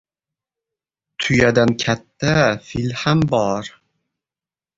• Tuyadan katta fil ham bor.